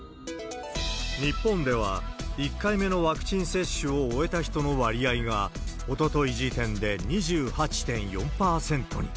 日本では１回目のワクチン接種を終えた人の割合が、おととい時点で２８．４％に。